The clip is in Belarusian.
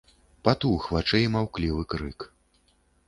Патух вачэй маўклівы крык.